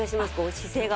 姿勢が。